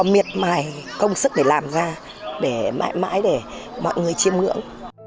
miệt mài công sức để làm ra để mãi mãi để mọi người chiêm ngưỡng